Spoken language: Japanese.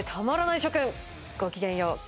諸君ごきげんよう